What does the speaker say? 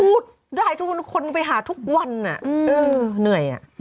พูดได้ทุกคนไปหาทุกวันอ่ะเออเหนื่อยอ่ะ